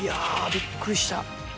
びっくりした。